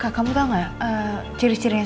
kak kamu tau gak ciri cirinya suami